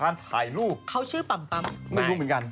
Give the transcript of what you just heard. งั้นอยู่เหมือนกัน